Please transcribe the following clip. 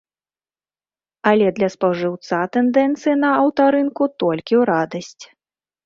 Але для спажыўца тэндэнцыі на аўтарынку толькі ў радасць.